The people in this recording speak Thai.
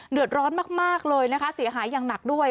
เดือดร้อนมากเลยนะคะเสียหายอย่างหนักด้วย